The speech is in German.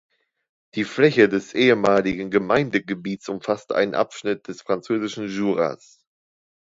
Die Fläche des ehemaligen Gemeindegebiets umfasste einen Abschnitt des französischen Juras.